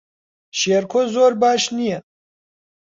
شێرکۆ زۆر باش نییە.